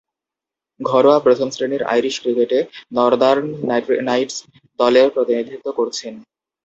ঘরোয়া প্রথম-শ্রেণীর আইরিশ ক্রিকেটে নর্দার্ন নাইটস দলের প্রতিনিধিত্ব করছেন।